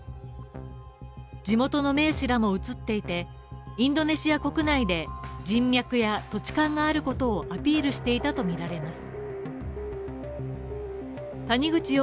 地元の名士らも写っていて、インドネシア国内で人脈や土地勘があることをアピールしていたとみられます。